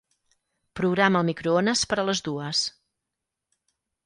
Programa el microones per a les dues.